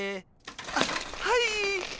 あっはい！